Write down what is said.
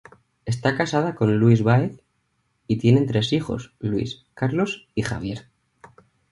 Está casada con Luis Baez, y tiene tres hijos: Luis, Carlos y Javier.